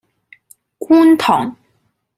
觀塘